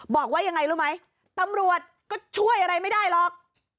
บอกว่ายังไงรู้ไหมตำรวจก็ช่วยอะไรไม่ได้หรอก